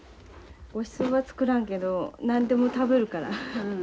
ごちそうは作らんけど何でも食べるから。